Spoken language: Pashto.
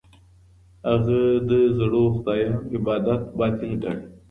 هغه د زړو خدایانو عبادت باطل ګاڼه.